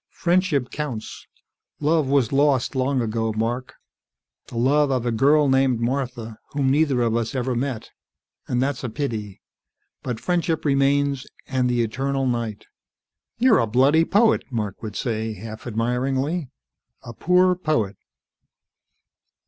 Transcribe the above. Friendship counts. Love was lost long ago, Mark. The love of a girl named Martha, whom neither of us ever met. And that's a pity. But friendship remains, and the eternal night." "You're a bloody poet," Mark would say, half admiringly. "A poor poet."